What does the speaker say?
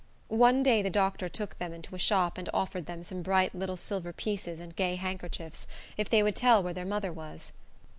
One day the doctor took them into a shop, and offered them some bright little silver pieces and gay handkerchiefs if they would tell where their mother was.